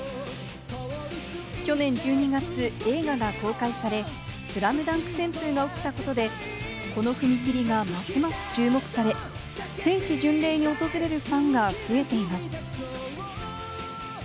去年１２月、映画が公開され、ＳＬＡＭＤＵＮＫ旋風が起きたことで、この踏切がますます注目され、聖地巡礼に訪れるファンが増えています。